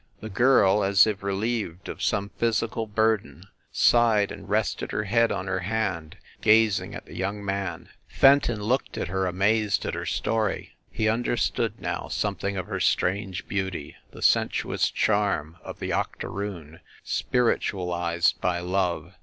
The girl, as if relieved of some physical burden, sighed, and rested her head on her hand, gazing at the young man. Fenton looked at her amazed at her story. He un derstood, now, something of her strange beauty the sensuous charm of the octoroon spiritualized by love.